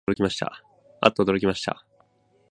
あっとおどろきました